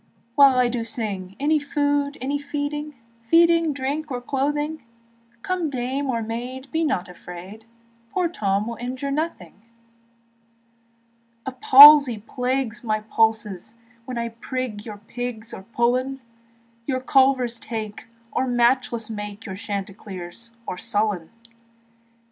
While I do sing, Any food, any feeding, Feeding, drink, or clothing; Come dame or maid, be not afraid, Poor Tom will injure nothing. The palsy plagues my pulses When I prig your pigs or pullen, Your culvers take, or matchless make Your Chanticleer or Sullen.